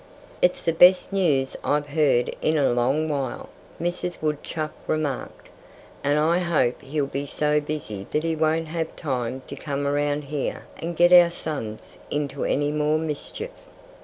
"It's the best news I've heard in a long while," Mrs. Woodchuck remarked. "And I hope he'll be so busy that he won't have time to come around here and get our sons into any more mischief."